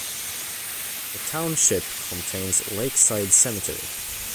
The township contains Lakeside Cemetery.